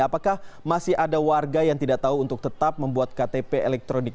apakah masih ada warga yang tidak tahu untuk tetap membuat ktp elektronik